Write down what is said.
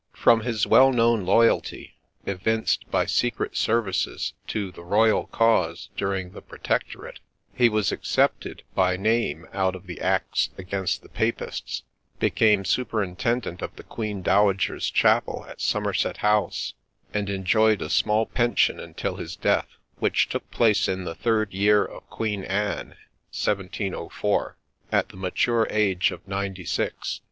From his well known loyalty, evinced by secret services to the Royal cause during the Protectorate, he was excepted by name out of the acts against the Papists, became superintendent of the Queen Dowager's chapc l at Somerset House, and enjoyed a small pension until his death, which took place in the third year of Queen Anne (1704), at the mature age of ninety six.